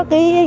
thì thủ tướng